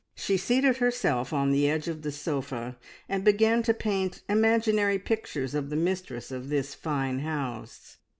She seated herself on the edge of the sofa and began to paint imaginary pictures of the mistress of this fine house.